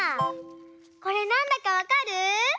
これなんだかわかる？